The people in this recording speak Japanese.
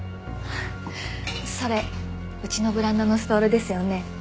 それうちのブランドのストールですよね？